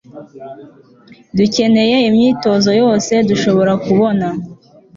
dukeneye imyitozo yose dushobora kubona